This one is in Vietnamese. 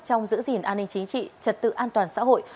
trong giữ gìn an ninh chính trị trật tự an toàn xã hội